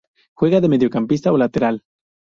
Juega de mediocampista o lateral.